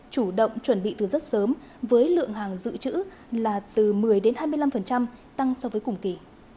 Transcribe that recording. chủ động chuẩn bị từ rất sớm với lượng hàng dự trữ là từ một mươi hai mươi năm tăng so với cùng kỳ